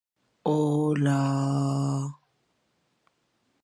Puede enriquecerse con más obras, pero no venderse ni dividirse.